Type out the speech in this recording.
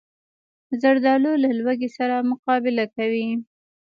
زردالو له لوږې سره مقابله کوي.